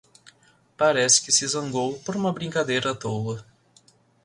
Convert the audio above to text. Parece que se zangou por uma brincadeira à toa